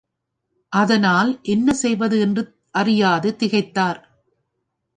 அதனால் என்ன செய்வது என்று அறியாது திகைத்தார்.